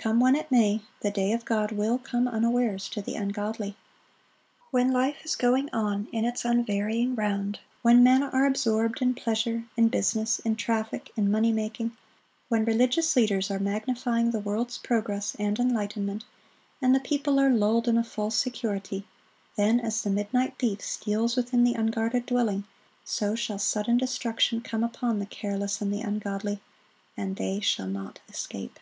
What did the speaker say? Come when it may, the day of God will come unawares to the ungodly. When life is going on in its unvarying round; when men are absorbed in pleasure, in business, in traffic, in money making; when religious leaders are magnifying the world's progress and enlightenment, and the people are lulled in a false security,—then, as the midnight thief steals within the unguarded dwelling, so shall sudden destruction come upon the careless and ungodly, "and they shall not escape."